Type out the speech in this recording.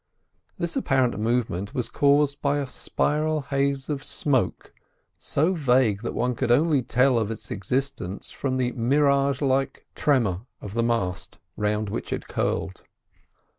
This apparent movement was caused by a spiral haze of smoke so vague that one could only tell of its existence from the mirage like tremor of the mast round which it curled.